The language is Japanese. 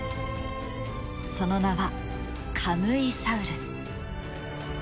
その名はカムイサウルス。